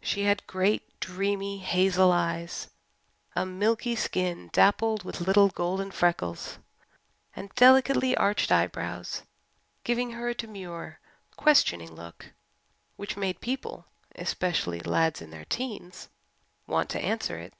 She had great, dreamy, hazel eyes, a milky skin dappled with little golden freckles, and delicately arched eyebrows, giving her a demure, questioning look which made people, especially lads in their teens, want to answer it.